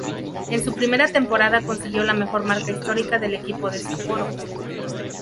En su primera temporada consiguió la mejor marca histórica del equipo de Sapporo.